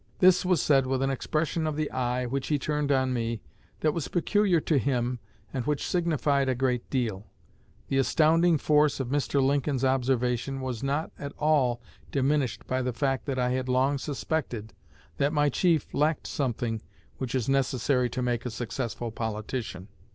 This was said with an expression of the eye, which he turned on me, that was peculiar to him, and which signified a great deal. The astounding force of Mr. Lincoln's observation was not at all diminished by the fact that I had long suspected that my chief lacked something which is necessary to make a successful politician."